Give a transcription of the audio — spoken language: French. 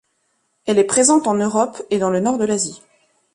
Elle est présente en Europe et dans le nord de l'Asie.